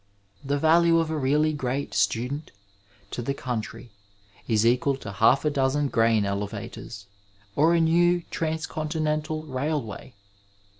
The value of a really great student to the country is equal to half a dozen grain elevators or a new transcontinental railway.